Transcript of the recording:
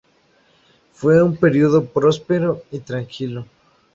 Fue un periodo próspero y tranquilo.